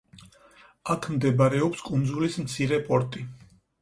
აქ მდებარეობს კუნძულის მცირე პორტი.